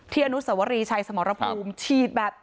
อนุสวรีชัยสมรภูมิฉีดแบบ